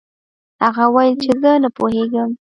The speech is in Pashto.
هغه وویل چې زه نه پوهیږم.